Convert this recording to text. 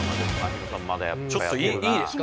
ちょっといいですか？